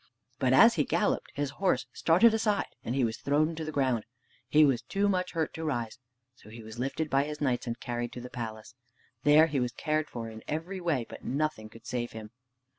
But as he galloped, his horse started aside and he was thrown to the ground. He was too much hurt to rise. So he was lifted by his knights and carried to the palace. There he was cared for in every way, but nothing could save him.